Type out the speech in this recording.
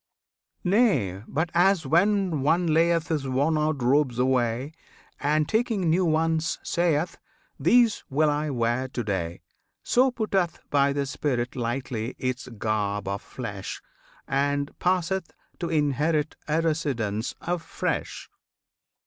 Nay, but as when one layeth His worn out robes away, And taking new ones, sayeth, "These will I wear to day!" So putteth by the spirit Lightly its garb of flesh, And passeth to inherit A residence afresh.